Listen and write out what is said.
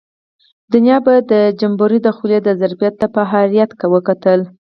دنیا به د جمبوري د خولې ظرفیت ته په حیرت وکتل.